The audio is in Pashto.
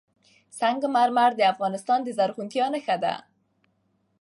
سنگ مرمر د افغانستان د زرغونتیا نښه ده.